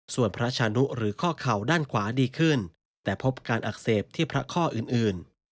ส่วนพระชานุหรือข้อเข่าด้านขวาดีขึ้นแต่พบการอักเสบที่พระข้ออื่น